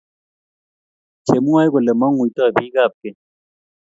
Chemwoe kole mangutoi biekap keny